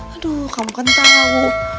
aduh kamu kan tau